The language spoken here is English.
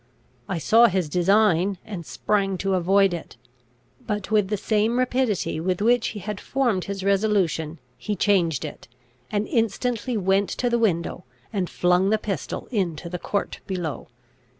I saw his design, and sprang to avoid it; but, with the same rapidity with which he had formed his resolution, he changed it, and instantly went to the window, and flung the pistol into the court below.